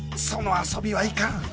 その遊びはいかん